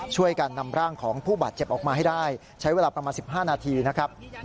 ช่วยกันนำร่างของผู้บาดเจ็บออกมาให้ได้ใช้เวลาประมาณ๑๕นาทีนะครับ